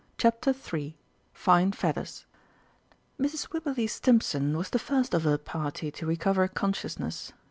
CHAPTER III FINE FEATHERS Mrs. Wibberley Stimpson was the first of her party to recover consciousness.